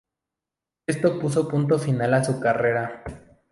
Esto puso punto final a su carrera.